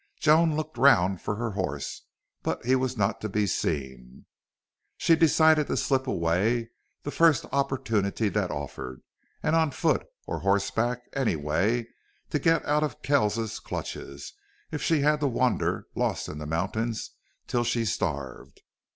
Joan looked round for her horse, but he was not to be seen. She decided to slip away the first opportunity that offered, and on foot or horseback, any way, to get out of Kells's clutches if she had to wander, lost in the mountains, till she starved.